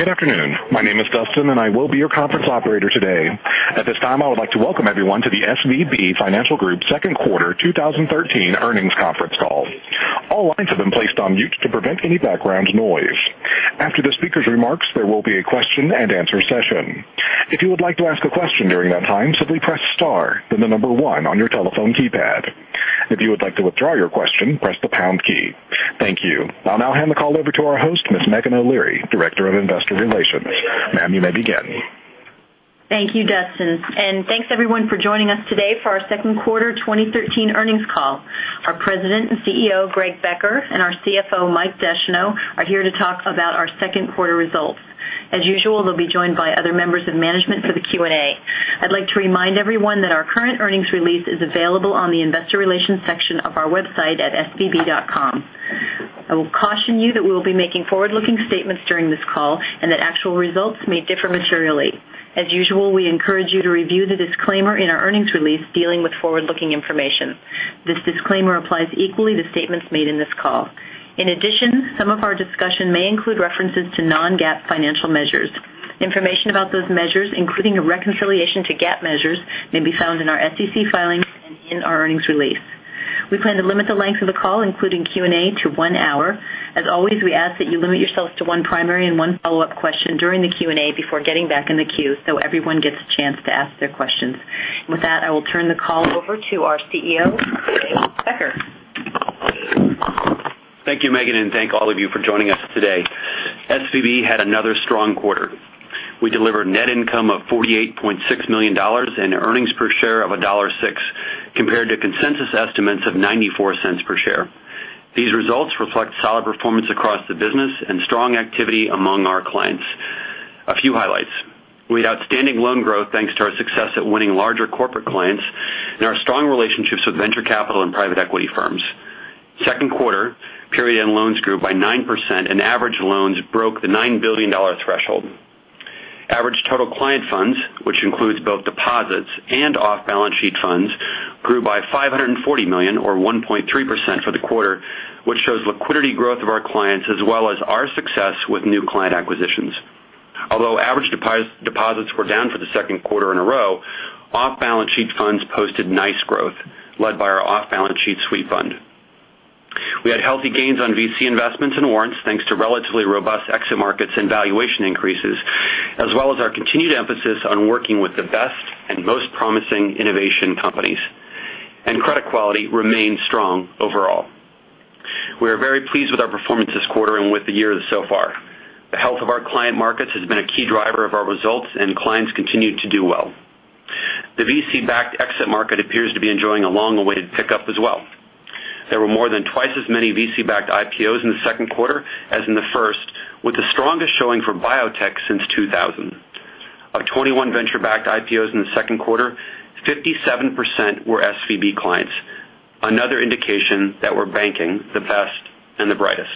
Good afternoon. My name is Dustin. I will be your conference operator today. At this time, I would like to welcome everyone to the SVB Financial Group second quarter 2013 earnings conference call. All lines have been placed on mute to prevent any background noise. After the speaker's remarks, there will be a question-and-answer session. If you would like to ask a question during that time, simply press star then the number 1 on your telephone keypad. If you would like to withdraw your question, press the pound key. Thank you. I'll now hand the call over to our host, Ms. Meghan O'Leary, Director of Investor Relations. Ma'am, you may begin. Thank you, Dustin. Thanks everyone for joining us today for our second quarter 2013 earnings call. Our President and CEO, Greg Becker, and our CFO, Mike Descheneaux, are here to talk about our second quarter results. As usual, they'll be joined by other members of management for the Q&A. I'd like to remind everyone that our current earnings release is available on the investor relations section of our website at svb.com. I will caution you that we will be making forward-looking statements during this call and that actual results may differ materially. As usual, we encourage you to review the disclaimer in our earnings release dealing with forward-looking information. This disclaimer applies equally to statements made in this call. In addition, some of our discussion may include references to non-GAAP financial measures. Information about those measures, including a reconciliation to GAAP measures, may be found in our SEC filings and in our earnings release. We plan to limit the length of the call, including Q&A, to one hour. As always, we ask that you limit yourselves to one primary and one follow-up question during the Q&A before getting back in the queue so everyone gets a chance to ask their questions. With that, I will turn the call over to our CEO, Greg Becker. Thank you, Meghan. Thank all of you for joining us today. SVB had another strong quarter. We delivered net income of $48.6 million and earnings per share of $1.06, compared to consensus estimates of $0.94 per share. These results reflect solid performance across the business and strong activity among our clients. A few highlights. We had outstanding loan growth thanks to our success at winning larger corporate clients and our strong relationships with venture capital and private equity firms. Second quarter, period-end loans grew by 9% and average loans broke the $9 billion threshold. Average total client funds, which includes both deposits and off-balance-sheet funds, grew by $540 million or 1.3% for the quarter, which shows liquidity growth of our clients as well as our success with new client acquisitions. Although average deposits were down for the second quarter in a row, off-balance-sheet funds posted nice growth led by our off-balance-sheet sweep fund. We had healthy gains on VC investments and warrants thanks to relatively robust exit markets and valuation increases, as well as our continued emphasis on working with the best and most promising innovation companies. Credit quality remains strong overall. We are very pleased with our performance this quarter and with the year so far. The health of our client markets has been a key driver of our results, and clients continue to do well. The VC-backed exit market appears to be enjoying a long-awaited pickup as well. There were more than twice as many VC-backed IPOs in the second quarter as in the first, with the strongest showing for biotech since 2000. Of 21 venture-backed IPOs in the second quarter, 57% were SVB clients. Another indication that we're banking the best and the brightest.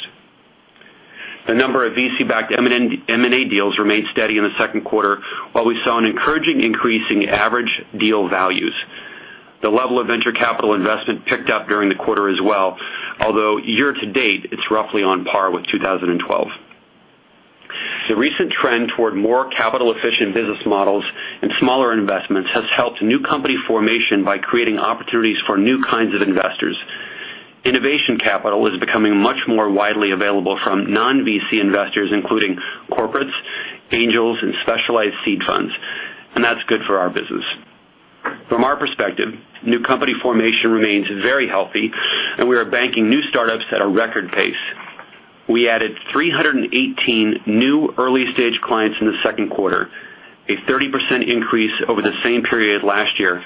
The number of VC-backed M&A deals remained steady in the second quarter, while we saw an encouraging increase in average deal values. The level of venture capital investment picked up during the quarter as well, although year to date it's roughly on par with 2012. The recent trend toward more capital-efficient business models and smaller investments has helped new company formation by creating opportunities for new kinds of investors. Innovation capital is becoming much more widely available from non-VC investors including corporates, angels, and specialized seed funds. That's good for our business. From our perspective, new company formation remains very healthy, and we are banking new startups at a record pace. We added 318 new early-stage clients in the second quarter, a 30% increase over the same period last year.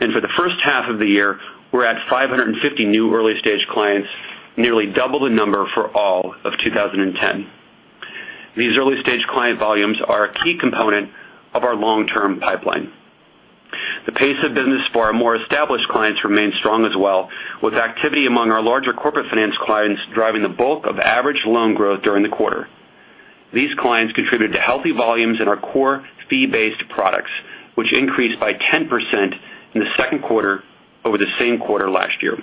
For the first half of the year, we're at 550 new early-stage clients, nearly double the number for all of 2010. These early-stage client volumes are a key component of our long-term pipeline. The pace of business for our more established clients remained strong as well, with activity among our larger corporate finance clients driving the bulk of average loan growth during the quarter. These clients contributed to healthy volumes in our core fee-based products, which increased by 10% in the second quarter over the same quarter last year.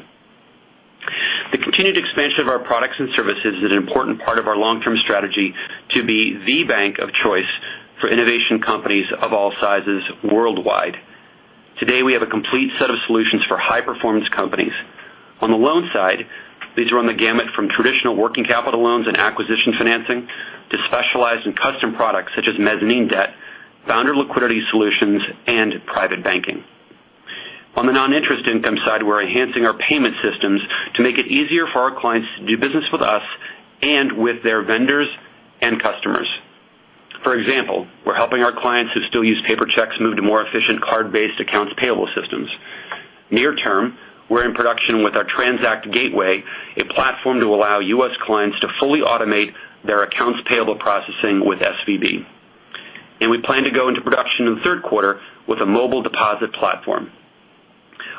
The continued expansion of our products and services is an important part of our long-term strategy to be the bank of choice for innovation companies of all sizes worldwide. Today, we have a complete set of solutions for high-performance companies. On the loan side, these run the gamut from traditional working capital loans and acquisition financing to specialized and custom products such as mezzanine debt, founder liquidity solutions, and private banking. On the non-interest income side, we're enhancing our payment systems to make it easier for our clients to do business with us and with their vendors and customers. For example, we're helping our clients who still use paper checks move to more efficient card-based accounts payable systems. Near term, we're in production with our Transact Gateway, a platform to allow U.S. clients to fully automate their accounts payable processing with SVB. We plan to go into production in the third quarter with a mobile deposit platform.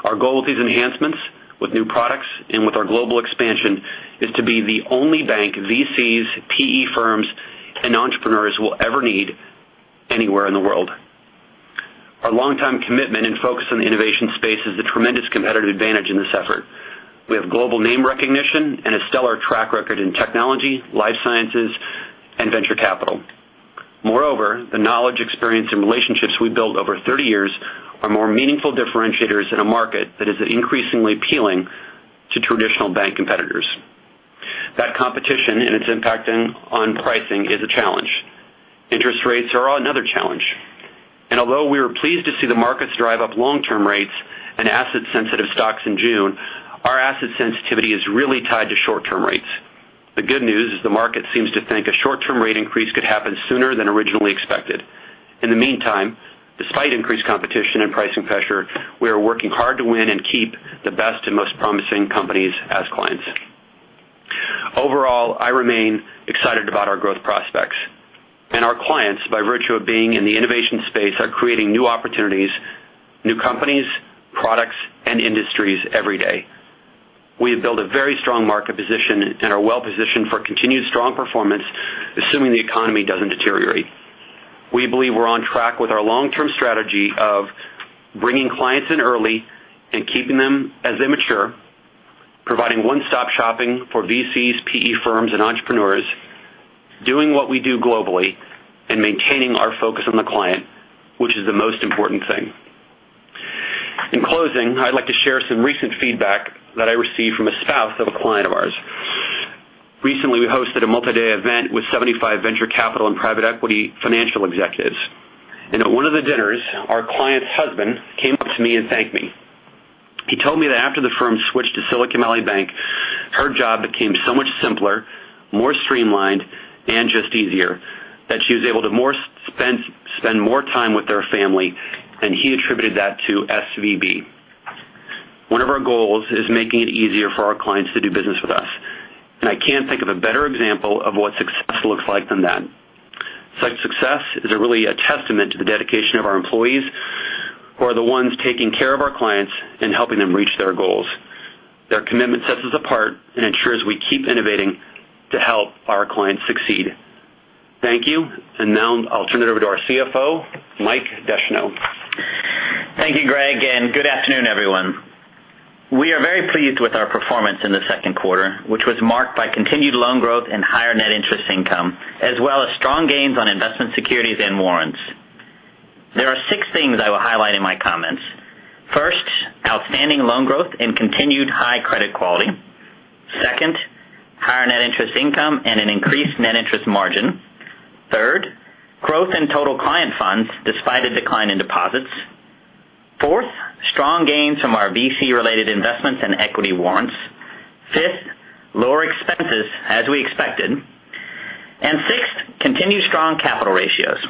Our goal with these enhancements, with new products, and with our global expansion is to be the only bank VCs, PE firms, and entrepreneurs will ever need anywhere in the world. Our longtime commitment and focus on the innovation space is a tremendous competitive advantage in this effort. We have global name recognition and a stellar track record in technology, life sciences, and venture capital. Moreover, the knowledge, experience, and relationships we've built over 30 years are more meaningful differentiators in a market that is increasingly appealing to traditional bank competitors. That competition and its impact on pricing is a challenge. Interest rates are another challenge. Although we were pleased to see the markets drive up long-term rates and asset-sensitive stocks in June, our asset sensitivity is really tied to short-term rates. The good news is the market seems to think a short-term rate increase could happen sooner than originally expected. In the meantime, despite increased competition and pricing pressure, we are working hard to win and keep the best and most promising companies as clients. Overall, I remain excited about our growth prospects. Our clients, by virtue of being in the innovation space, are creating new opportunities, new companies, products, and industries every day. We have built a very strong market position and are well positioned for continued strong performance, assuming the economy doesn't deteriorate. We believe we're on track with our long-term strategy of bringing clients in early and keeping them as they mature, providing one-stop shopping for VCs, PE firms, and entrepreneurs, doing what we do globally, and maintaining our focus on the client, which is the most important thing. In closing, I'd like to share some recent feedback that I received from a spouse of a client of ours. Recently, we hosted a multi-day event with 75 venture capital and private equity financial executives. At one of the dinners, our client's husband came up to me and thanked me. He told me that after the firm switched to Silicon Valley Bank, her job became so much simpler, more streamlined, and just easier. That she was able to spend more time with their family, and he attributed that to SVB. One of our goals is making it easier for our clients to do business with us, and I can't think of a better example of what success looks like than that. Such success is really a testament to the dedication of our employees, who are the ones taking care of our clients and helping them reach their goals. Their commitment sets us apart and ensures we keep innovating to help our clients succeed. Thank you. Now I'll turn it over to our CFO, Mike Descheneaux. Thank you, Greg, and good afternoon, everyone. We are very pleased with our performance in the second quarter, which was marked by continued loan growth and higher net interest income, as well as strong gains on investment securities and warrants. There are six things I will highlight in my comments. First, outstanding loan growth and continued high credit quality. Second, higher net interest income and an increased net interest margin. Third, growth in total client funds despite a decline in deposits. Fourth, strong gains from our VC-related investments and equity warrants. Fifth, lower expenses, as we expected. Sixth, continued strong capital ratios.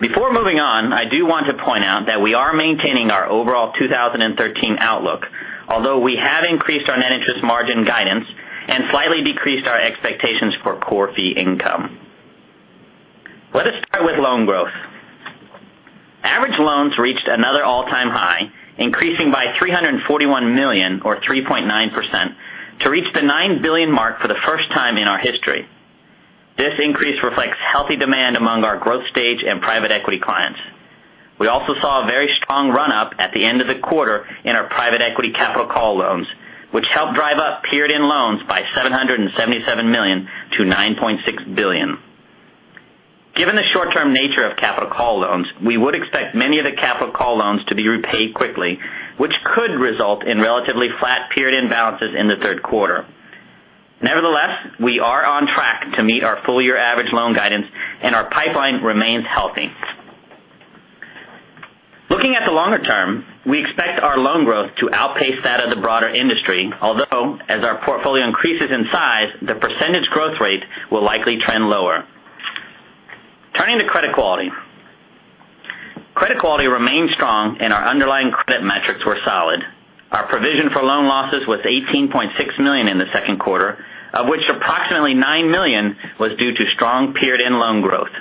Before moving on, I do want to point out that we are maintaining our overall 2013 outlook, although we have increased our net interest margin guidance and slightly decreased our expectations for core fee income. Let us start with loan growth. Average loans reached another all-time high, increasing by $341 million, or 3.9%, to reach the $9 billion mark for the first time in our history. This increase reflects healthy demand among our growth stage and private equity clients. We also saw a very strong run-up at the end of the quarter in our private equity capital call loans, which helped drive up period-end loans by $777 million to $9.6 billion. Given the short-term nature of capital call loans, we would expect many of the capital call loans to be repaid quickly, which could result in relatively flat period-end balances in the third quarter. Nevertheless, we are on track to meet our full-year average loan guidance, and our pipeline remains healthy. Looking at the longer term, we expect our loan growth to outpace that of the broader industry, although as our portfolio increases in size, the percentage growth rate will likely trend lower. Turning to credit quality. Credit quality remains strong, and our underlying credit metrics were solid. Our provision for loan losses was $18.6 million in the second quarter, of which approximately $9 million was due to strong period-end loan growth.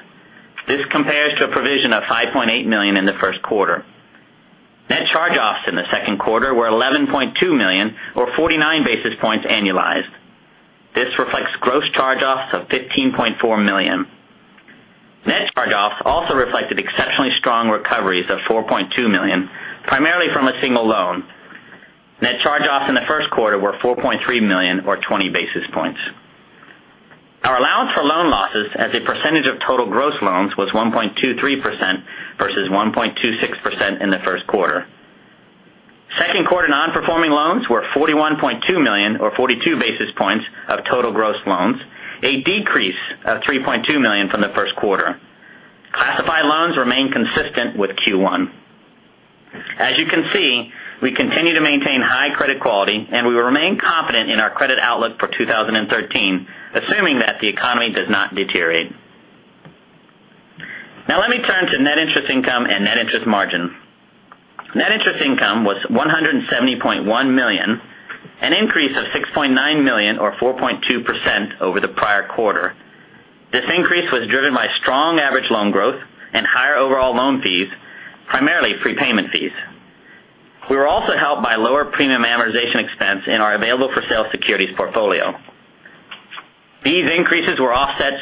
This compares to a provision of $5.8 million in the first quarter. Net charge-offs in the second quarter were $11.2 million, or 49 basis points annualized. This reflects gross charge-offs of $15.4 million. Net charge-offs also reflected exceptionally strong recoveries of $4.2 million, primarily from a single loan. Net charge-offs in the first quarter were $4.3 million, or 20 basis points. Our allowance for loan losses as a percentage of total gross loans was 1.23%, versus 1.26% in the first quarter. Second quarter non-performing loans were $41.2 million or 42 basis points of total gross loans, a decrease of $3.2 million from the first quarter. Classified loans remain consistent with Q1. As you can see, we continue to maintain high credit quality, and we remain confident in our credit outlook for 2013, assuming that the economy does not deteriorate. Now let me turn to net interest income and net interest margin. Net interest income was $170.1 million, an increase of $6.9 million or 4.2% over the prior quarter. This increase was driven by strong average loan growth and higher overall loan fees, primarily prepayment fees. We were also helped by lower premium amortization.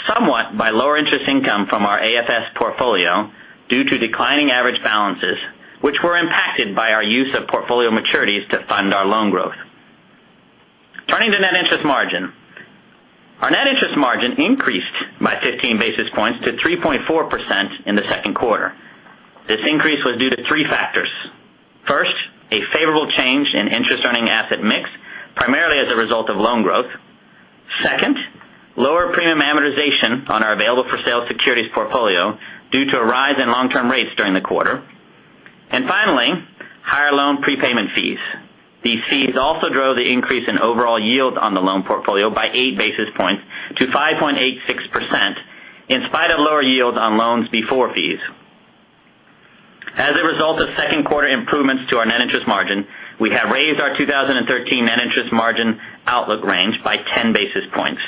Somewhat by lower interest income from our AFS portfolio due to declining average balances, which were impacted by our use of portfolio maturities to fund our loan growth. Turning to net interest margin. Our net interest margin increased by 15 basis points to 3.4% in the second quarter. This increase was due to three factors. First, a favorable change in interest earning asset mix, primarily as a result of loan growth. Second, lower premium amortization on our available for sale securities portfolio due to a rise in long-term rates during the quarter. Finally, higher loan prepayment fees. These fees also drove the increase in overall yield on the loan portfolio by eight basis points to 5.86%, in spite of lower yields on loans before fees. As a result of second quarter improvements to our net interest margin, we have raised our 2013 net interest margin outlook range by 10 basis points.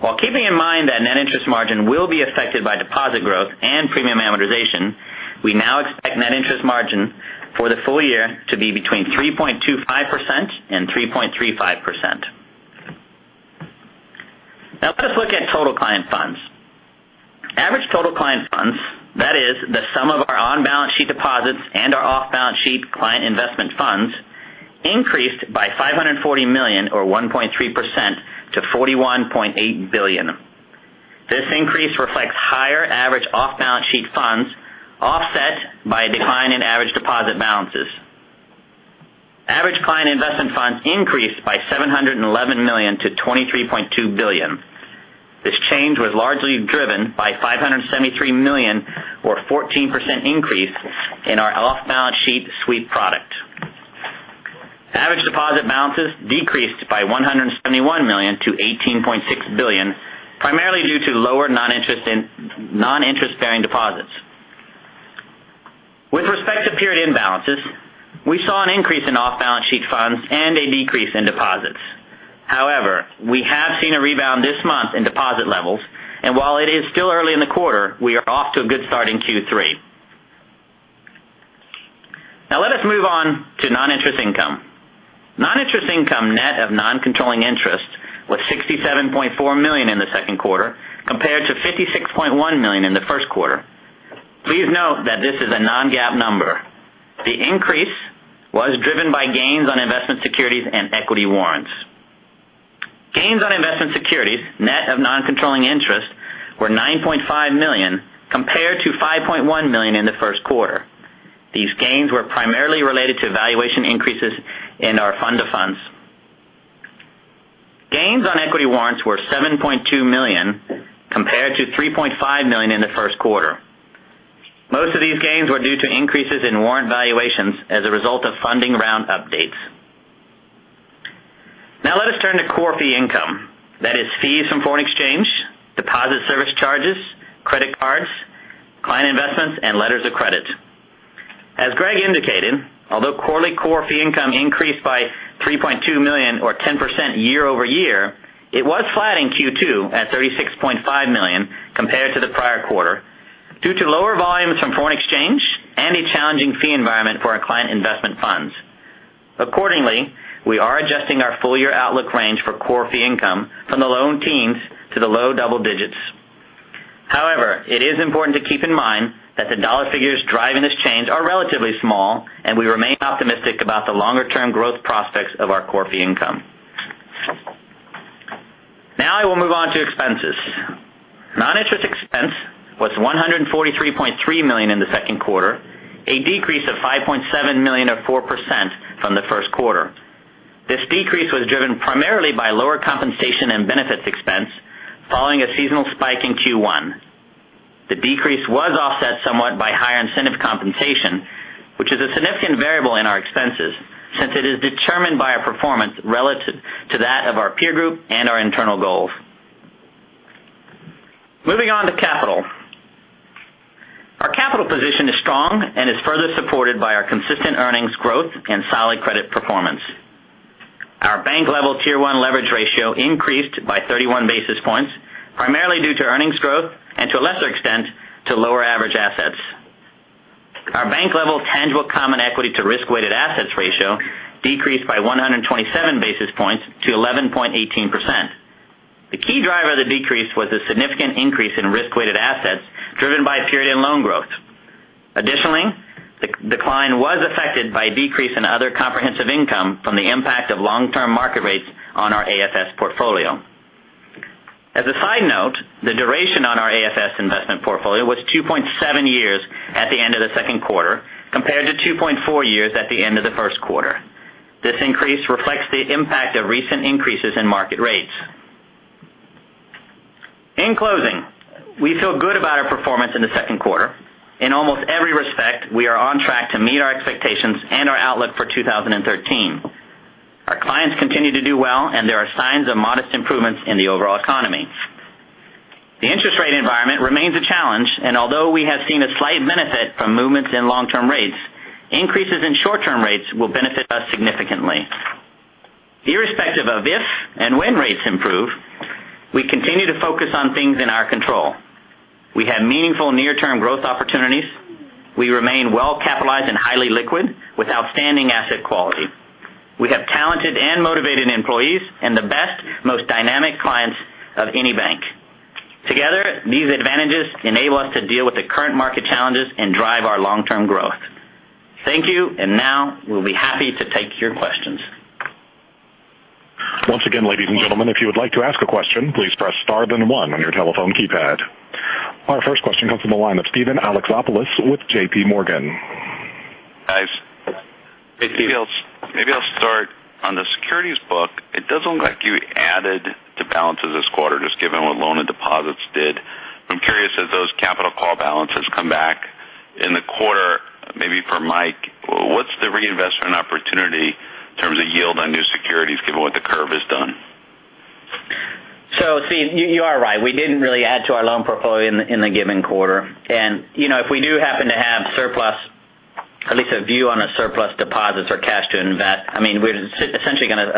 While keeping in mind that net interest margin will be affected by deposit growth and premium amortization, we now expect net interest margin for the full year to be between 3.25% and 3.35%. Now let us look at total client funds. Average total client funds, that is the sum of our on-balance sheet deposits and our off-balance sheet client investment funds, increased by $540 million or 1.3% to $41.8 billion. This increase reflects higher average off-balance sheet funds, offset by a decline in average deposit balances. Average client investment funds increased by $711 million to $23.2 billion. This change was largely driven by $573 million or 14% increase in our off-balance sheet sweep product. Average deposit balances decreased by $171 million to $18.6 billion, primarily due to lower non-interest-bearing deposits. With respect to period imbalances, we saw an increase in off-balance sheet funds and a decrease in deposits. However, we have seen a rebound this month in deposit levels, and while it is still early in the quarter, we are off to a good start in Q3. Now let us move on to non-interest income. Non-interest income net of non-controlling interest was $67.4 million in the second quarter, compared to $56.1 million in the first quarter. Please note that this is a non-GAAP number. The increase was driven by gains on investment securities and equity warrants. Gains on investment securities, net of non-controlling interest, were $9.5 million compared to $5.1 million in the first quarter. These gains were primarily related to valuation increases in our fund to funds. Gains on equity warrants were $7.2 million compared to $3.5 million in the first quarter. Most of these gains were due to increases in warrant valuations as a result of funding round updates. Now let us turn to core fee income. That is fees from foreign exchange, deposit service charges, credit cards, client investments, and letters of credit. As Greg indicated, although quarterly core fee income increased by $3.2 million or 10% year-over-year, it was flat in Q2 at $36.5 million compared to the prior quarter due to lower volumes from foreign exchange and a challenging fee environment for our client investment funds. Accordingly, we are adjusting our full-year outlook range for core fee income from the low teens to the low double digits. However, it is important to keep in mind that the dollar figures driving this change are relatively small, and we remain optimistic about the longer-term growth prospects of our core fee income. Now I will move on to expenses. Non-interest expense was $143.3 million in the second quarter, a decrease of $5.7 million or 4% from the first quarter. This decrease was driven primarily by lower compensation and benefits expense following a seasonal spike in Q1. The decrease was offset somewhat by higher incentive compensation, which is a significant variable in our expenses since it is determined by our performance relative to that of our peer group and our internal goals. Moving on to capital. Our capital position is strong and is further supported by our consistent earnings growth and solid credit performance. Our bank-level Tier 1 leverage ratio increased by 31 basis points, primarily due to earnings growth and to a lesser extent, to lower average assets. Our bank-level tangible common equity to risk-weighted assets ratio decreased by 127 basis points to 11.18%. The key driver of the decrease was a significant increase in risk-weighted assets driven by a period-end loan growth. Additionally, the decline was affected by a decrease in other comprehensive income from the impact of long-term market rates on our AFS portfolio. As a side note, the duration on our AFS investment portfolio was 2.7 years at the end of the second quarter compared to 2.4 years at the end of the first quarter. This increase reflects the impact of recent increases in market rates. In closing, we feel good about our performance in the second quarter. In almost every respect, we are on track to meet our expectations and our outlook for 2013. There are signs of modest improvements in the overall economy. The interest rate environment remains a challenge, although we have seen a slight benefit from movements in long-term rates, increases in short-term rates will benefit us significantly. Irrespective of if and when rates improve, we continue to focus on things in our control. We have meaningful near-term growth opportunities. We remain well-capitalized and highly liquid with outstanding asset quality. We have talented and motivated employees and the best, most dynamic clients of any bank. Together, these advantages enable us to deal with the current market challenges and drive our long-term growth. Thank you. Now we'll be happy to take your questions. Once again, ladies and gentlemen, if you would like to ask a question, please press star then one on your telephone keypad. Our first question comes from the line of Steven Alexopoulos with JPMorgan. Guys. Hey, Steve. Maybe I'll start. On the securities book, it doesn't look like you added to balances this quarter, just given what loan and deposits did. I'm curious as those capital call balances come back in the quarter, maybe for Mike, what's the reinvestment opportunity in terms of yield on new securities, given what the curve has done? Steve, you are right. We didn't really add to our loan portfolio in the given quarter. If we do happen to have surplus, at least a view on a surplus deposits or cash to invest, we're essentially going to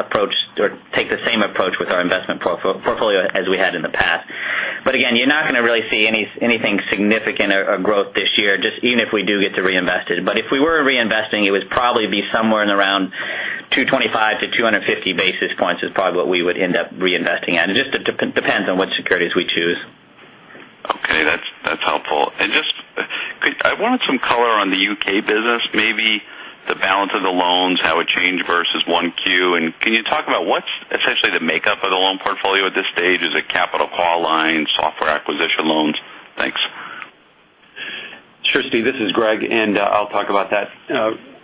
take the same approach with our investment portfolio as we had in the past. Again, you're not going to really see anything significant or growth this year, just even if we do get to reinvest it. If we were reinvesting, it would probably be somewhere in around 225-250 basis points is probably what we would end up reinvesting in. It just depends on what securities we choose. Okay. That's helpful. Just, I wanted some color on the U.K. business, maybe the balance of the loans, how it changed versus 1Q, and can you talk about what's essentially the makeup of the loan portfolio at this stage? Is it capital call line, software acquisition loans? Thanks. Sure, Steve, this is Greg. I'll talk about that.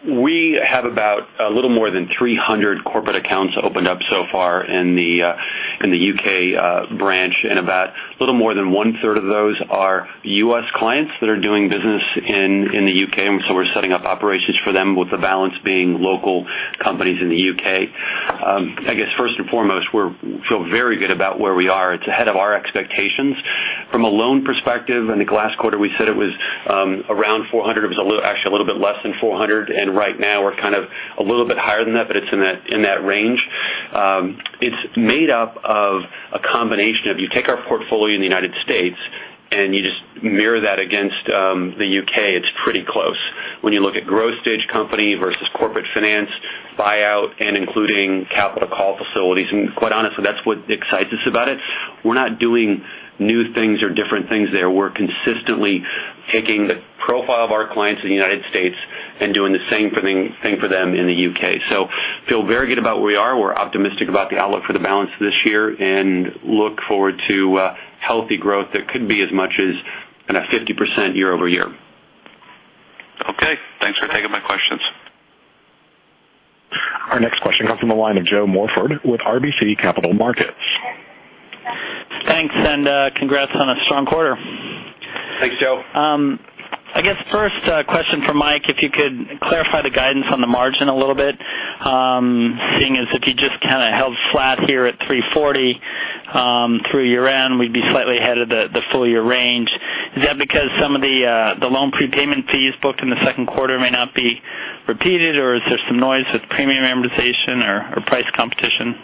We have about a little more than 300 corporate accounts opened up so far in the U.K. branch. About a little more than one-third of those are U.S. clients that are doing business in the U.K. We're setting up operations for them, with the balance being local companies in the U.K. I guess first and foremost, we feel very good about where we are. It's ahead of our expectations. From a loan perspective, I think last quarter we said it was around 400. It was actually a little bit less than 400. Right now we're kind of a little bit higher than that, but it's in that range. It's made up of a combination of, you take our portfolio in the United States, you just mirror that against the U.K. It's pretty close. When you look at growth stage company versus corporate finance, buyout, and including capital call facilities. Quite honestly, that's what excites us about it. We're not doing new things or different things there. We're consistently taking the profile of our clients in the United States, doing the same for them in the U.K. Feel very good about where we are. We're optimistic about the outlook for the balance of this year, look forward to healthy growth that could be as much as 50% year-over-year. Okay. Thanks for taking my questions. Our next question comes from the line of Joe Morford with RBC Capital Markets. Thanks, and congrats on a strong quarter. Thanks, Joe. I guess first question for Mike, if you could clarify the guidance on the margin a little bit, seeing as if you just kind of held flat here at 340 through year-end, we'd be slightly ahead of the full-year range. Is that because some of the loan prepayment fees booked in the second quarter may not be repeated, or is there some noise with premium amortization or price competition?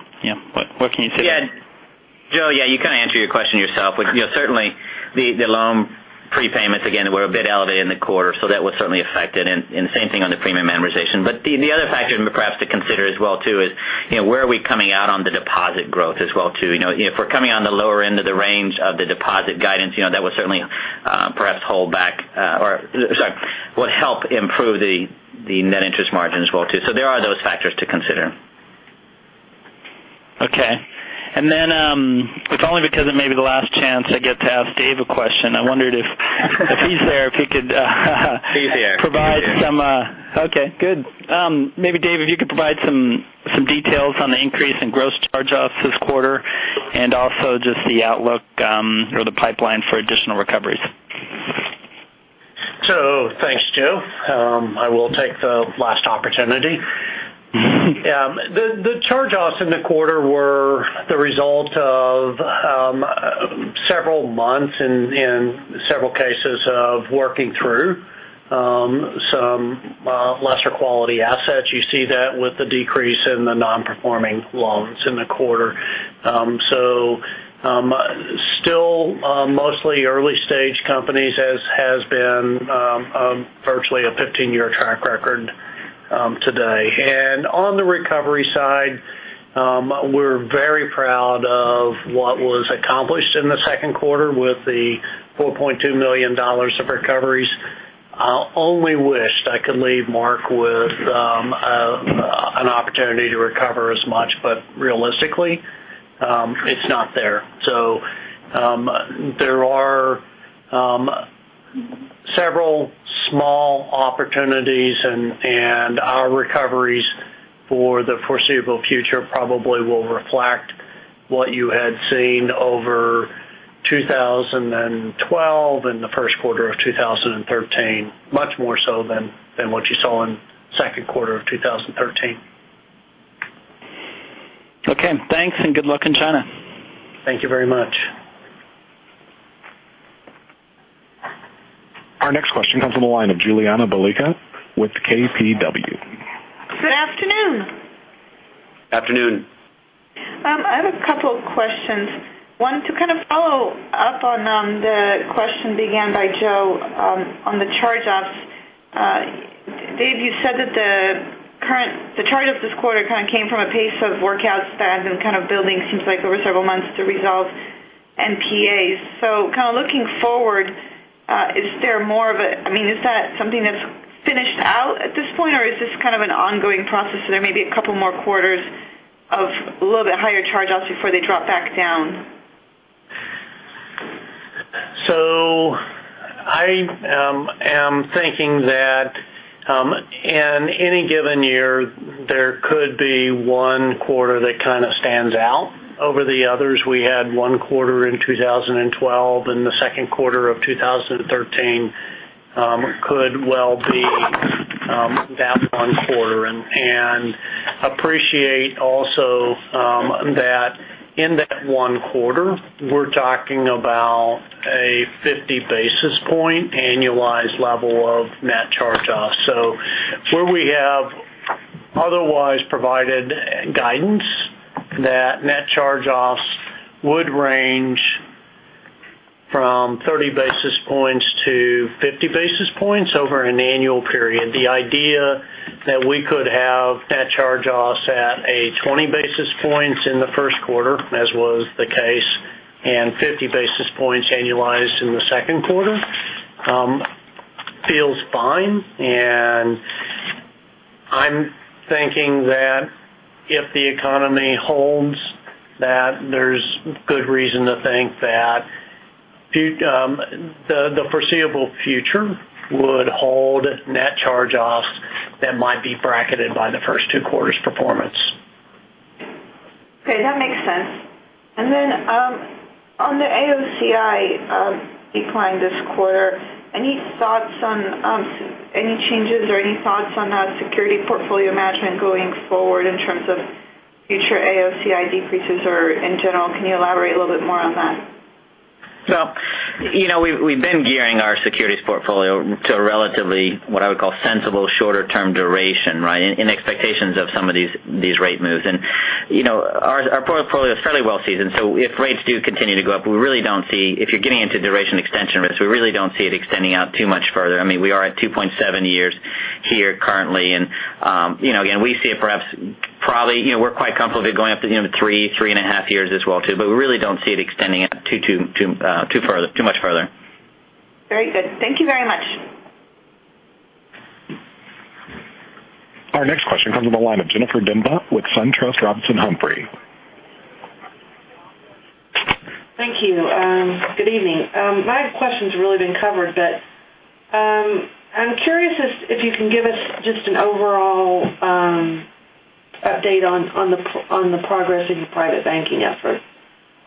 What can you say there? Joe, yeah, you kind of answered your question yourself. Certainly, the loan prepayments, again, were a bit elevated in the quarter, so that would certainly affect it. The same thing on the premium amortization. The other factor perhaps to consider as well too is where are we coming out on the deposit growth as well too. If we're coming on the lower end of the range of the deposit guidance, that will certainly perhaps hold back or, sorry, will help improve the net interest margin as well too. There are those factors to consider. Okay. Then, it's only because it may be the last chance I get to ask Dave a question. I wondered if he's there, if he could- He's here Okay, good. Maybe Dave, if you could provide some details on the increase in gross charge-offs this quarter and also just the outlook or the pipeline for additional recoveries. Thanks, Joe. I will take the last opportunity. The charge-offs in the quarter were the result of several months and several cases of working through some lesser quality assets. You see that with the decrease in the non-performing loans in the quarter. Still mostly early-stage companies, as has been virtually a 15-year track record today. On the recovery side, we're very proud of what was accomplished in the second quarter with the $4.2 million of recoveries. I only wished I could leave Marc with an opportunity to recover as much, but realistically, it's not there. There are several small opportunities, and our recoveries for the foreseeable future probably will reflect what you had seen over 2012 and the first quarter of 2013, much more so than what you saw in the second quarter of 2013. Okay, thanks, and good luck in China. Thank you very much. Our next question comes from the line of Julianna Balicka with KBW. Afternoon. I have a couple questions. One, to kind of follow up on the question began by Joe on the charge-offs. Dave, you said that the charge-off this quarter kind of came from a pace of workout spend and kind of building seems like over several months to resolve NPAs. Kind of looking forward, is that something that's finished out at this point, or is this kind of an ongoing process so there may be a couple more quarters of a little bit higher charge-offs before they drop back down? I am thinking that in any given year, there could be one quarter that kind of stands out over the others. We had one quarter in 2012, and the second quarter of 2013 could well be that one quarter. Appreciate also that in that one quarter, we're talking about a 50 basis point annualized level of net charge-offs. Where we have otherwise provided guidance that net charge-offs would range from 30 basis points-50 basis points over an annual period. The idea that we could have net charge-offs at a 20 basis points in the first quarter, as was the case, and 50 basis points annualized in the second quarter feels fine. I'm thinking that if the economy holds, that there's good reason to think that the foreseeable future would hold net charge-offs that might be bracketed by the first two quarters' performance. Okay, that makes sense. On the AOCI decline this quarter, any changes or any thoughts on that security portfolio management going forward in terms of future AOCI decreases, or in general, can you elaborate a little bit more on that? We've been gearing our securities portfolio to a relatively, what I would call, sensible shorter-term duration in expectations of some of these rate moves. Our portfolio is fairly well seasoned. If rates do continue to go up, if you're getting into duration extension risks, we really don't see it extending out too much further. We are at 2.7 years here currently, and again, we see it perhaps probably we're quite comfortable with it going up to 3 1/2 years as well too. We really don't see it extending out too much further. Very good. Thank you very much. Our next question comes from the line of Jennifer Demba with SunTrust Robinson Humphrey. Thank you. Good evening. My question's really been covered, but I'm curious if you can give us just an overall update on the progress of your private banking efforts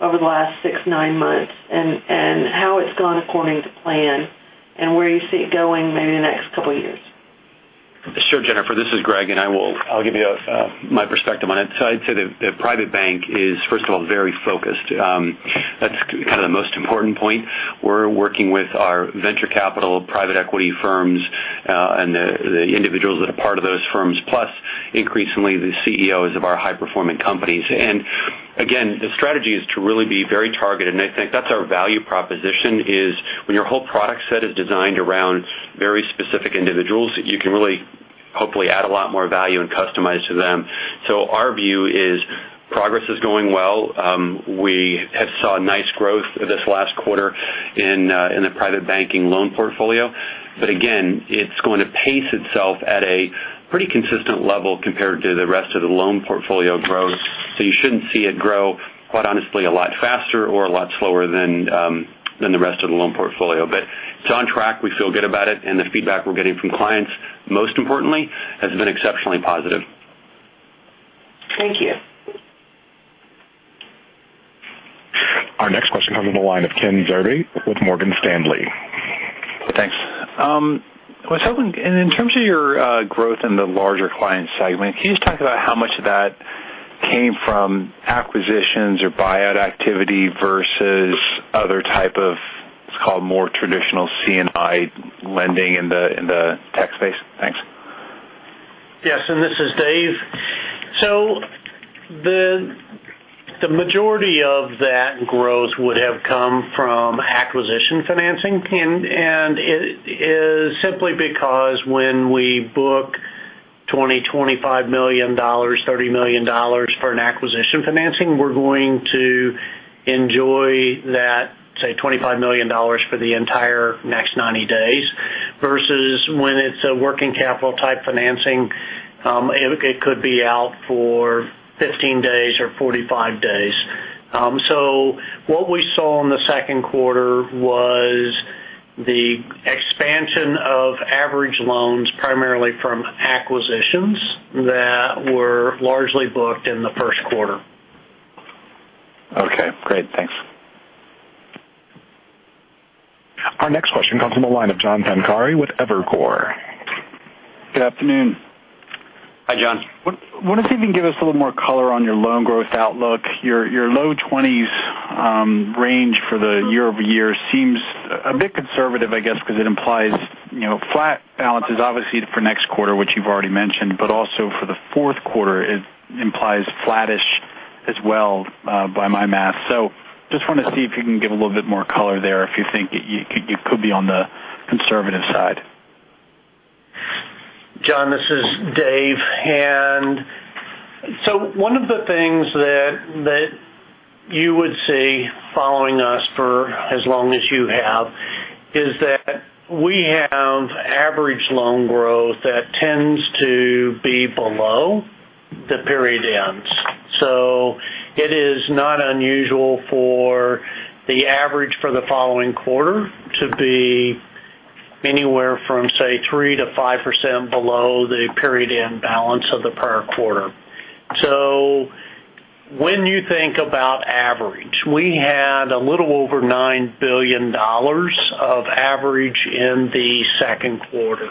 over the last six, nine months, and how it's gone according to plan, and where you see it going maybe in the next couple of years. Sure, Jennifer. This is Greg, and I'll give you my perspective on it. I'd say that private bank is, first of all, very focused. That's kind of the most important point. We're working with our venture capital private equity firms, and the individuals that are part of those firms, plus increasingly the CEOs of our high performing companies. Again, the strategy is to really be very targeted. I think that's our value proposition is when your whole product set is designed around very specific individuals, you can really hopefully add a lot more value and customize to them. Our view is progress is going well. We have saw nice growth this last quarter in the private banking loan portfolio. Again, it's going to pace itself at a pretty consistent level compared to the rest of the loan portfolio growth. You shouldn't see it grow, quite honestly, a lot faster or a lot slower than the rest of the loan portfolio. It's on track. We feel good about it, and the feedback we're getting from clients, most importantly, has been exceptionally positive. Thank you. Our next question comes from the line of Ken Zerbe with Morgan Stanley. Thanks. In terms of your growth in the larger client segment, can you just talk about how much of that came from acquisitions or buyout activity versus other type of what's called more traditional C&I lending in the tech space? Thanks. Yes, this is Dave. The majority of that growth would have come from acquisition financing. It is simply because when we book $20, $25 million, $30 million for an acquisition financing, we're going to enjoy that, say, $25 million for the entire next 90 days versus when it's a working capital type financing, it could be out for 15 days or 45 days. What we saw in the second quarter was the expansion of average loans, primarily from acquisitions that were largely booked in the first quarter. Okay, great. Thanks. Our next question comes from the line of John Pancari with Evercore. Good afternoon. Hi, John. I wonder if you can give us a little more color on your loan growth outlook, your low 20s range for the year-over-year seems a bit conservative, I guess, because it implies flat balances, obviously, for next quarter, which you've already mentioned, but also for the fourth quarter, it implies flattish as well, by my math. Just want to see if you can give a little bit more color there, if you think it could be on the conservative side. John, this is Dave. One of the things that you would see following us for as long as you have, is that we have average loan growth that tends to be below the period ends. It is not unusual for the average for the following quarter to be anywhere from, say, 3%-5% below the period-end balance of the prior quarter. When you think about average, we had a little over $9 billion of average in the second quarter.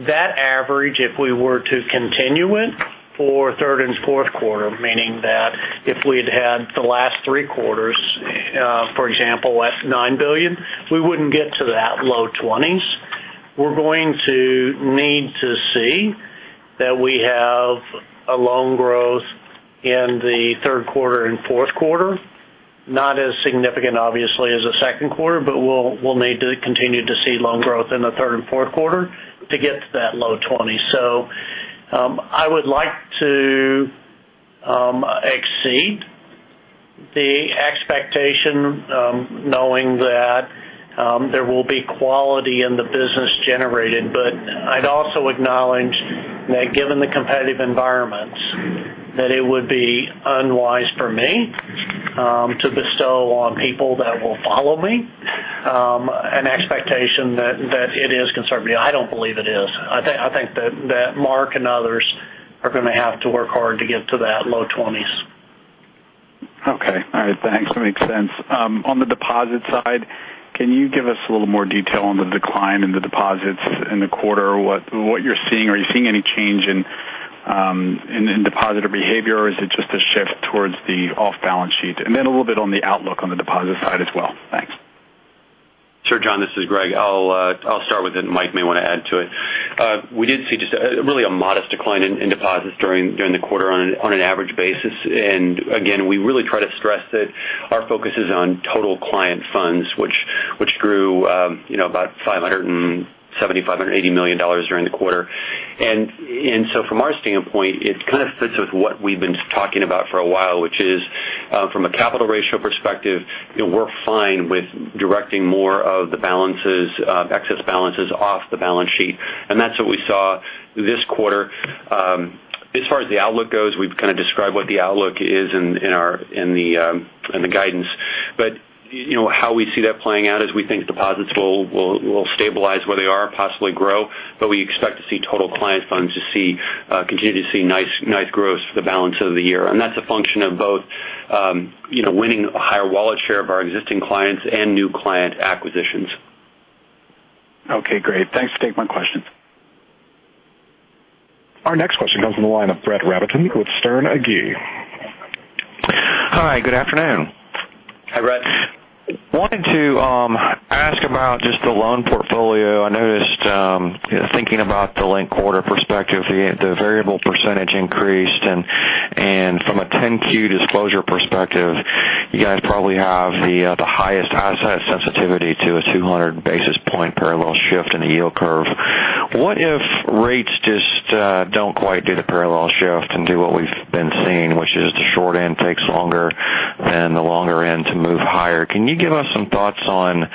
That average, if we were to continue it for third and fourth quarter, meaning that if we'd had the last three quarters, for example, less $9 billion, we wouldn't get to that low 20s. We're going to need to see that we have a loan growth in the third quarter and fourth quarter. Not as significant, obviously, as the second quarter, but we'll need to continue to see loan growth in the third and fourth quarter to get to that low 20. I would like to exceed the expectation, knowing that there will be quality in the business generated. I'd also acknowledge that given the competitive environments, that it would be unwise for me to bestow on people that will follow me an expectation that it is conservative. I don't believe it is. I think that Marc and others are going to have to work hard to get to that low 20s. Okay. All right, thanks. That makes sense. On the deposit side, can you give us a little more detail on the decline in the deposits in the quarter? What you're seeing? Are you seeing any change in depositor behavior, or is it just a shift towards the off-balance sheet? A little bit on the outlook on the deposit side as well. Thanks. Sure, John, this is Greg. I'll start with it, and Mike may want to add to it. We did see just really a modest decline in deposits during the quarter on an average basis. Again, we really try to stress that our focus is on total client funds, which grew about $575 to $580 million during the quarter. From our standpoint, it kind of fits with what we've been talking about for a while, which is from a capital ratio perspective, we're fine with directing more of the excess balances off-balance sheet. That's what we saw this quarter. As far as the outlook goes, we've kind of described what the outlook is in the guidance. How we see that playing out is we think deposits will stabilize where they are, possibly grow, but we expect to see total client funds continue to see nice growth for the balance of the year. That's a function of both winning a higher wallet share of our existing clients and new client acquisitions. Okay, great. Thanks. Take my questions. Our next question comes from the line of Brett Rabatin with Sterne Agee. Hi, good afternoon. Hi, Brett. Wanted to ask about just the loan portfolio. I noticed, thinking about the linked quarter perspective, the variable percentage increased and from a 10-Q disclosure perspective, you guys probably have the highest asset sensitivity to a 200 basis point parallel shift in the yield curve. What if rates just don't quite do the parallel shift and do what we've been seeing, which is the short end takes longer than the longer end to move higher? Can you give us some thoughts on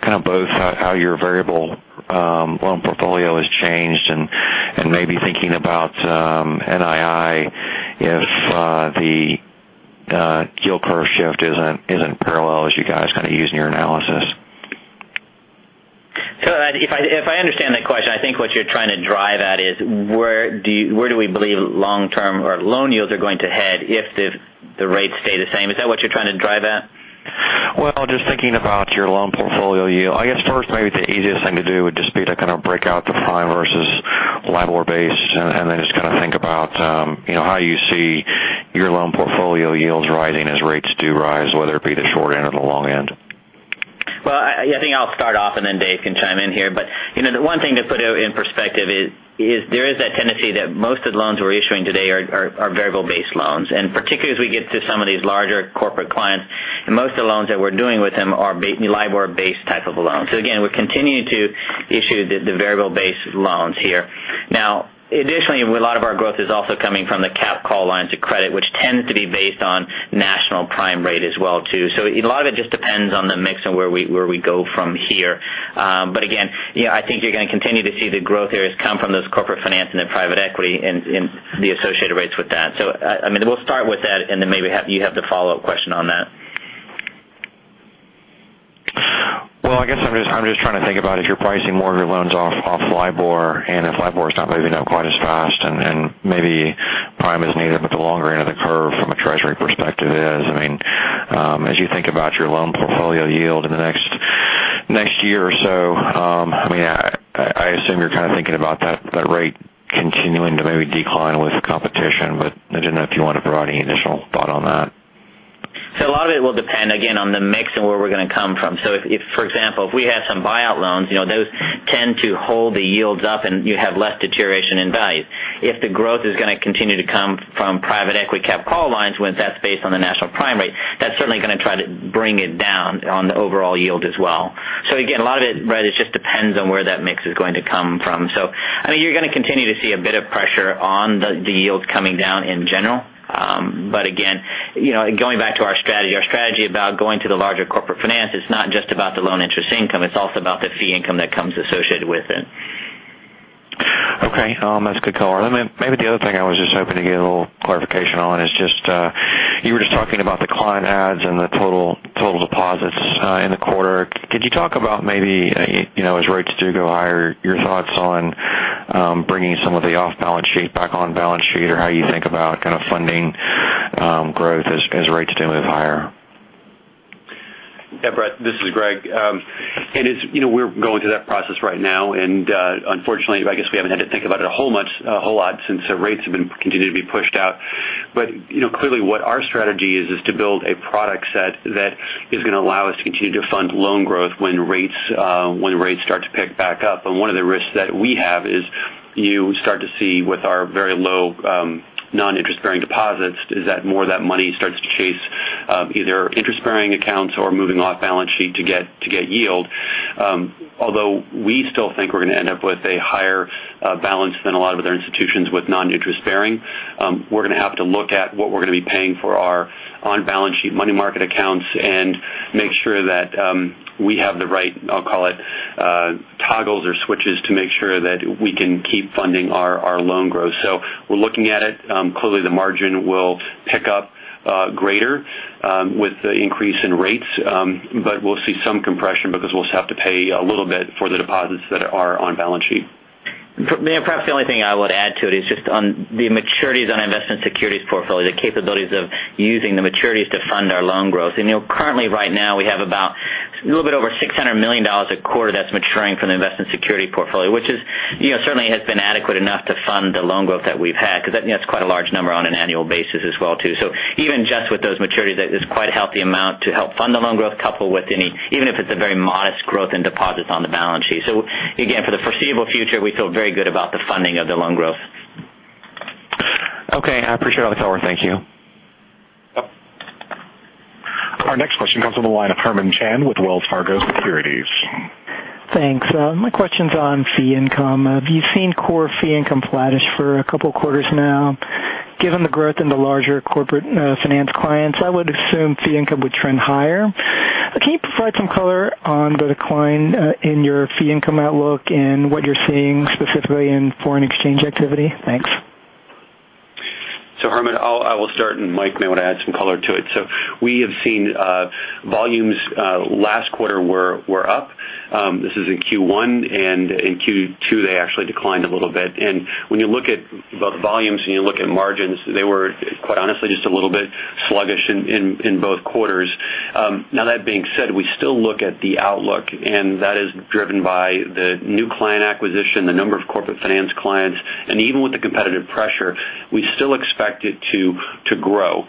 kind of both how your variable loan portfolio has changed and maybe thinking about NII if the yield curve shift isn't parallel as you guys kind of use in your analysis? If I understand that question, I think what you're trying to drive at is where do we believe long-term or loan yields are going to head if the rates stay the same? Is that what you're trying to drive at? Well, just thinking about your loan portfolio yield. I guess first, maybe the easiest thing to do would just be to kind of break out the Prime versus LIBOR base, and then just kind of think about how you see your loan portfolio yields rising as rates do rise, whether it be the short end or the long end. Well, I think I'll start off, and then Dave can chime in here. The one thing to put in perspective is there is that tendency that most of the loans we're issuing today are variable-based loans. Particularly as we get to some of these larger corporate clients, most of the loans that we're doing with them are LIBOR-based type of loans. Again, we're continuing to issue the variable-based loans here. Additionally, a lot of our growth is also coming from the cap call lines of credit, which tends to be based on National Prime rate as well too. A lot of it just depends on the mix and where we go from here. Again, I think you're going to continue to see the growth areas come from those corporate finance and the private equity and the associated rates with that. We'll start with that, then maybe you have the follow-up question on that. Well, I guess I'm just trying to think about if you're pricing more of your loans off LIBOR, and if LIBOR is not moving up quite as fast and maybe prime is needed, but the longer end of the curve from a treasury perspective is. As you think about your loan portfolio yield in the next year or so, I assume you're kind of thinking about that rate continuing to maybe decline with competition, but I didn't know if you wanted to provide any additional thought on that? A lot of it will depend, again, on the mix and where we're going to come from. If, for example, if we have some buyout loans, those tend to hold the yields up and you have less deterioration in value. If the growth is going to continue to come from private equity cap call loans, when that's based on the National Prime rate, that's certainly going to try to bring it down on the overall yield as well. Again, a lot of it, Brett, it just depends on where that mix is going to come from. You're going to continue to see a bit of pressure on the yields coming down in general. Again, going back to our strategy, our strategy about going to the larger corporate finance, it's not just about the loan interest income, it's also about the fee income that comes associated with it. Okay. That's a good call. Maybe the other thing I was just hoping to get a little clarification on is just, you were just talking about the client adds and the total deposits in the quarter. Could you talk about maybe, as rates do go higher, your thoughts on bringing some of the off-balance sheet back on balance sheet, or how you think about kind of funding growth as rates do move higher? Yeah, Brett. This is Greg. We're going through that process right now. Unfortunately, I guess we haven't had to think about it a whole lot since rates have continued to be pushed out. Clearly what our strategy is to build a product set that is going to allow us to continue to fund loan growth when rates start to pick back up. One of the risks that we have is you start to see with our very low non-interest bearing deposits, is that more of that money starts to chase either interest bearing accounts or moving off balance sheet to get yield. Although we still think we're going to end up with a higher balance than a lot of other institutions with non-interest bearing. We're going to have to look at what we're going to be paying for our on balance sheet money market accounts and make sure that we have the right, I'll call it toggles or switches to make sure that we can keep funding our loan growth. We're looking at it. Clearly the margin will pick up greater with the increase in rates. We'll see some compression because we'll have to pay a little bit for the deposits that are on balance sheet. Perhaps the only thing I would add to it is just on the maturities on investment securities portfolio, the capabilities of using the maturities to fund our loan growth. Currently right now, we have about a little bit over $600 million a quarter that's maturing from the investment security portfolio, which certainly has been adequate enough to fund the loan growth that we've had. That's quite a large number on an annual basis as well too. Even just with those maturities, that is quite a healthy amount to help fund the loan growth couple with any, even if it's a very modest growth in deposits on the balance sheet. Again, for the foreseeable future, we feel very good about the funding of the loan growth. Okay. I appreciate all the color. Thank you. Our next question comes from the line of Herman Chan with Wells Fargo Securities. Thanks. My question's on fee income. You've seen core fee income flattish for a couple of quarters now. Given the growth in the larger corporate finance clients, I would assume fee income would trend higher. Can you provide some color on the decline in your fee income outlook and what you're seeing specifically in foreign exchange activity? Thanks. Herman, I will start and Mike may want to add some color to it. We have seen volumes last quarter were up. This is in Q1 and in Q2 they actually declined a little bit. When you look at both volumes and you look at margins, they were quite honestly just a little bit sluggish in both quarters. Now that being said, we still look at the outlook, and that is driven by the new client acquisition, the number of corporate finance clients, and even with the competitive pressure, we still expect it to grow.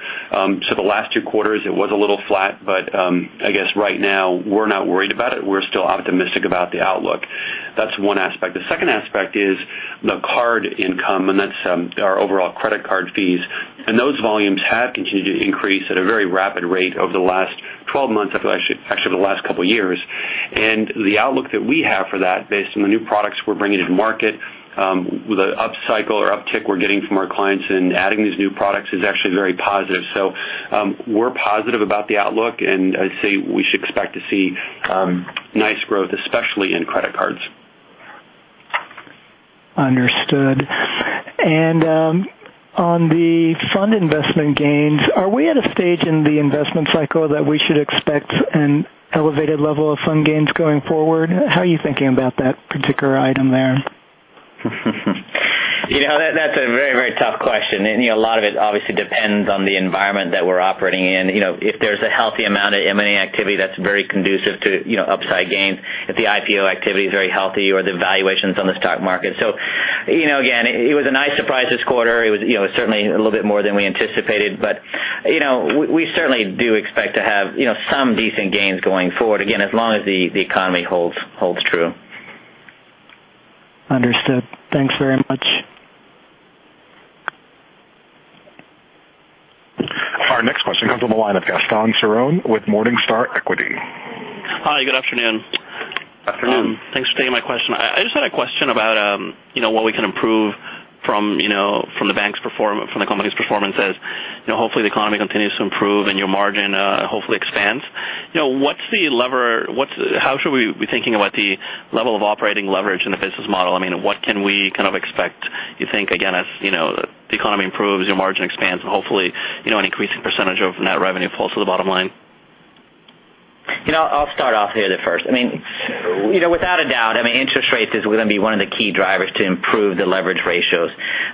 The last two quarters, it was a little flat, but I guess right now we're not worried about it. We're still optimistic about the outlook. That's one aspect. The second aspect is the card income, and that's our overall credit card fees. Those volumes have continued to increase at a very rapid rate over the last 12 months, actually over the last couple of years. The outlook that we have for that based on the new products we're bringing to market with an upcycle or uptick we're getting from our clients and adding these new products is actually very positive. We're positive about the outlook, and I'd say we should expect to see nice growth, especially in credit cards. Understood. On the fund investment gains, are we at a stage in the investment cycle that we should expect an elevated level of fund gains going forward? How are you thinking about that particular item there? That's a very, very tough question. A lot of it obviously depends on the environment that we're operating in. If there's a healthy amount of M&A activity, that's very conducive to upside gains. If the IPO activity is very healthy or the valuations on the stock market. Again, it was a nice surprise this quarter. It was certainly a little bit more than we anticipated, we certainly do expect to have some decent gains going forward again, as long as the economy holds true. Understood. Thanks very much. Our next question comes on the line of Gaston Ceron with Morningstar Equity. Hi, good afternoon. Afternoon. Thanks for taking my question. I just had a question about what we can improve from the company's performance as hopefully the economy continues to improve and your margin hopefully expands. How should we be thinking about the level of operating leverage in the business model? I mean, what can we kind of expect, you think, again, as the economy improves, your margin expands and hopefully an increasing percentage of net revenue falls to the bottom line? I'll start off here the first. I mean- Without a doubt, interest rates is going to be one of the key drivers to improve the leverage ratios.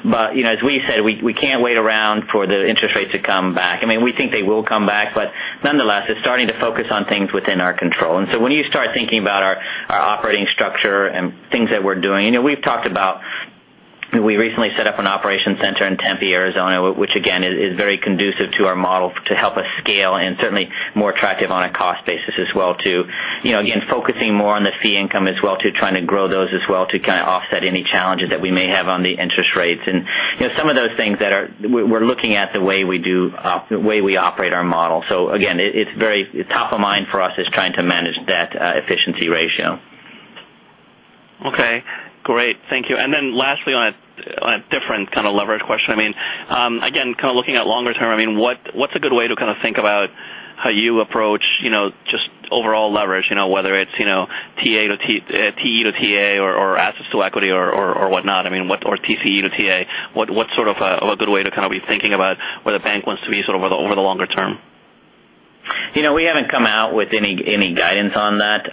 As we said, we can't wait around for the interest rates to come back. We think they will come back, nonetheless, it's starting to focus on things within our control. When you start thinking about our operating structure and things that we're doing, we've talked about, we recently set up an operation center in Tempe, Arizona, which again, is very conducive to our model to help us scale and certainly more attractive on a cost basis as well too. Again, focusing more on the fee income as well too, trying to grow those as well to kind of offset any challenges that we may have on the interest rates. Some of those things that we're looking at the way we operate our model. Again, top of mind for us is trying to manage that efficiency ratio. Okay, great. Thank you. Lastly, on a different kind of leverage question. Again, kind of looking at longer term, what's a good way to think about how you approach just overall leverage, whether it's TE to TA or assets to equity or whatnot, or TCE to TA. What sort of a good way to be thinking about where the bank wants to be over the longer term? We haven't come out with any guidance on that.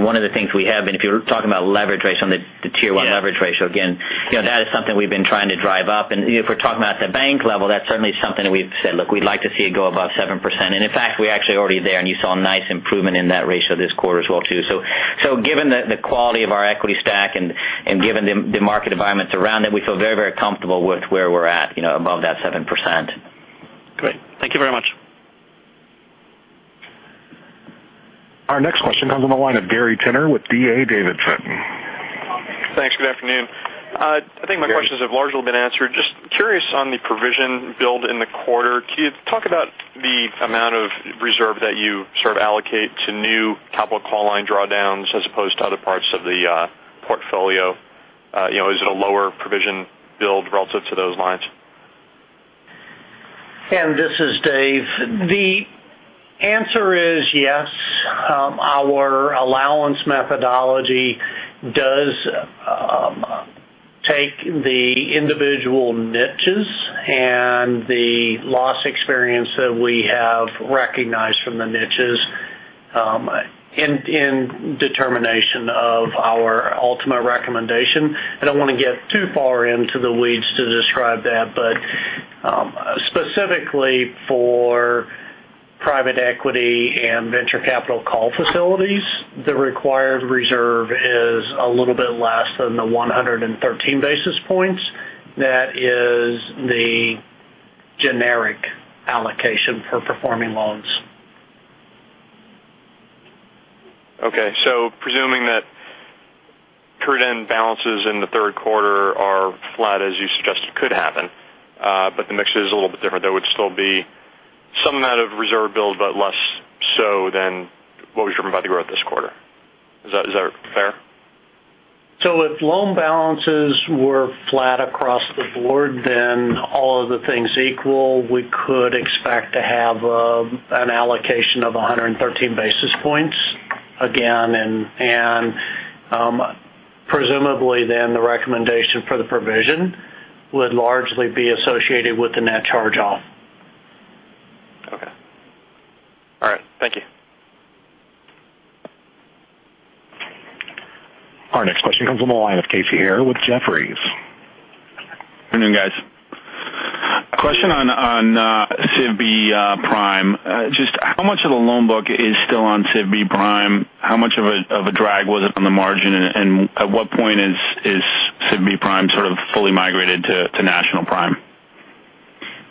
One of the things we have, if you're talking about leverage ratio, the Tier 1 leverage ratio, again, that is something we've been trying to drive up. If we're talking about at the bank level, that's certainly something that we've said, look, we'd like to see it go above 7%. In fact, we're actually already there, and you saw a nice improvement in that ratio this quarter as well too. Given the quality of our equity stack and given the market environments around it, we feel very, very comfortable with where we're at above that 7%. Great. Thank you very much. Our next question comes on the line of Gary Tenner with D.A. Davidson. Thanks. Good afternoon. I think my questions have largely been answered. Just curious on the provision build in the quarter. Can you talk about the amount of reserve that you sort of allocate to new capital call line drawdowns as opposed to other parts of the portfolio? Is it a lower provision build relative to those lines? This is Dave. The answer is yes. Our allowance methodology does take the individual niches and the loss experience that we have recognized from the niches in determination of our ultimate recommendation. I don't want to get too far into the weeds to describe that, but specifically for private equity and venture capital call facilities, the required reserve is a little bit less than the 113 basis points. That is the generic allocation for performing loans. Okay. Presuming that current end balances in the third quarter are flat as you suggested could happen, but the mix is a little bit different, there would still be some out of reserve build, but less so than what we've heard about the growth this quarter. Is that fair? If loan balances were flat across the board, then all of the things equal, we could expect to have an allocation of 113 basis points. Again, presumably then the recommendation for the provision would largely be associated with the net charge off. Okay. All right. Thank you. Our next question comes on the line of Casey Haire with Jefferies. Good afternoon, guys. Question on SIVB Prime. Just how much of the loan book is still on SIVB Prime? How much of a drag was it on the margin? At what point is SIVB Prime sort of fully migrated to National Prime?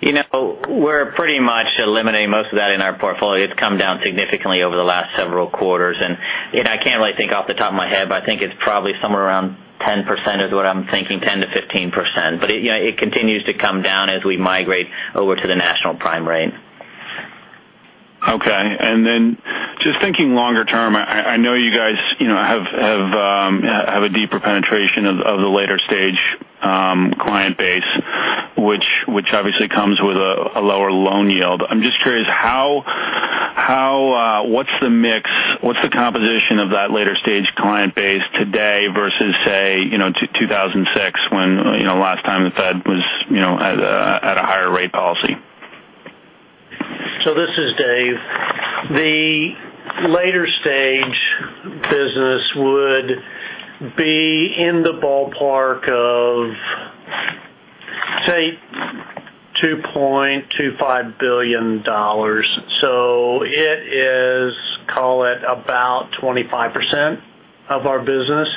We're pretty much eliminating most of that in our portfolio. It's come down significantly over the last several quarters. I can't really think off the top of my head, but I think it's probably somewhere around 10% is what I'm thinking, 10%-15%. It continues to come down as we migrate over to the National Prime rate. Okay. Just thinking longer term, I know you guys have a deeper penetration of the later stage client base, which obviously comes with a lower loan yield. I'm just curious, what's the mix? What's the composition of that later stage client base today versus, say, 2006 when last time the Fed was at a higher rate policy? This is Dave. The later stage business would be in the ballpark of, say, $2.25 billion. It is, call it about 25% of our business.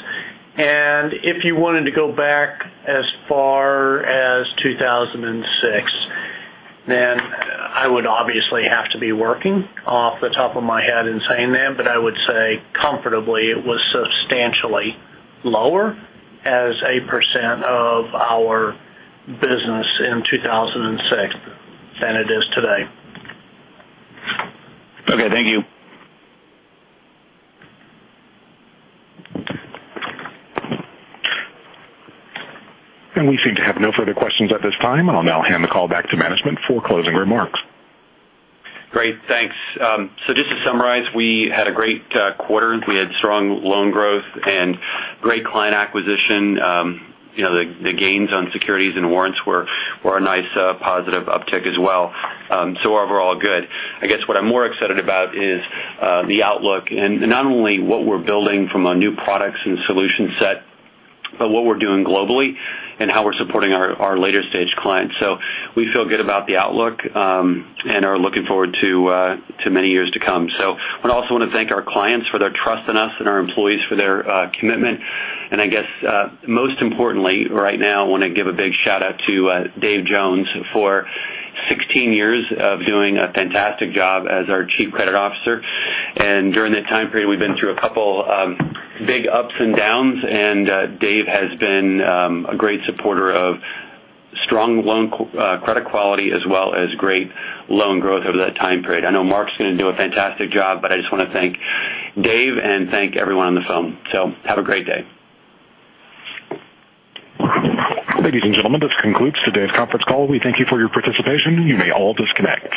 If you wanted to go back as far as 2006, I would obviously have to be working off the top of my head in saying that, I would say comfortably it was substantially lower as a percent of our business in 2006 than it is today. Okay. Thank you. We seem to have no further questions at this time. I'll now hand the call back to management for closing remarks. Just to summarize, we had a great quarter. We had strong loan growth and great client acquisition. The gains on securities and warrants were a nice positive uptick as well. Overall, good. I guess what I'm more excited about is the outlook, not only what we're building from a new products and solution set, but what we're doing globally and how we're supporting our later stage clients. We feel good about the outlook and are looking forward to many years to come. I also want to thank our clients for their trust in us and our employees for their commitment. I guess most importantly, right now, I want to give a big shout-out to Dave Jones for 16 years of doing a fantastic job as our Chief Credit Officer. During that time period, we've been through a couple big ups and downs, and Dave has been a great supporter of strong loan credit quality as well as great loan growth over that time period. I know Marc's going to do a fantastic job, I just want to thank Dave and thank everyone on the phone. Have a great day. Ladies and gentlemen, this concludes today's conference call. We thank you for your participation. You may all disconnect.